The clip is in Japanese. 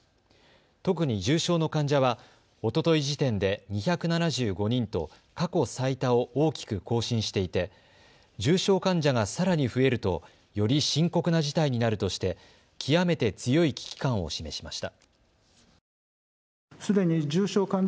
特に重症の患者はおととい時点で２７５人と過去最多を大きく更新していて重症患者がさらに増えるとより深刻な事態になるとして極めて強い危機感を示しました。